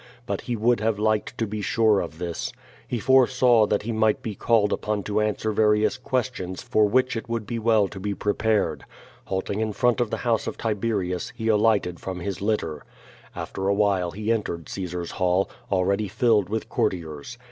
But he would have liked to be sure of this. He foresaw that he might be called upon to answer various questions for which it would be well to be prepared. Halting in front of the house of Tiberius he alighted from his litter. After awhile he entered Caesar's hall, already filled with courtiers.